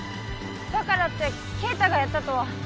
だからって敬太がやったとは。